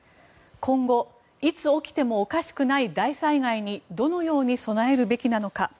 今後いつ起きてもおかしくない大災害にどのように備えるべきなのか。